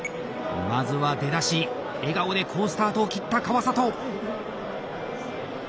まずは出だし笑顔で好スタートを切った川里。